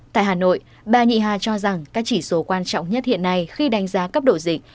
tại hà nội bà nhị hà cho rằng các chỉ số quan trọng nhất hiện nay khi đánh giá cấp độ dịch